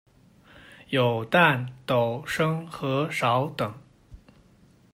有石、斗、升、合、勺等。